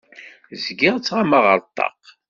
Zgiɣ ttɣamaɣ ar ṭṭaq.